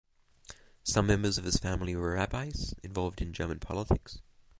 Some members of the family were rabbis involved in German politics.